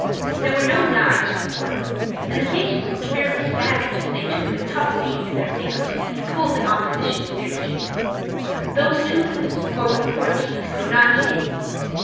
There were no knives or forks, and the patients looked fairly savage as they took the tough beef in their fingers and pulled in opposition to their teeth. Those toothless or with poor teeth could not eat it.